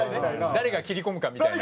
誰が切り込むかみたいな。